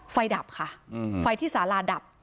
ไฟดับฝ่ายที่สาราดับ